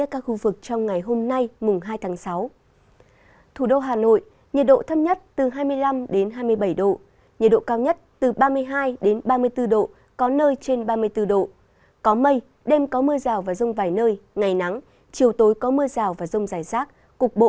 cụ vực nam bộ nhiệt độ thấp nhất từ hai mươi bốn đến hai mươi bảy độ nhiệt độ cao nhất từ ba mươi một đến ba mươi bốn độ có nơi trên ba mươi bốn độ có mây có mưa rào và rông vài nơi gió tây nam cấp hai cấp ba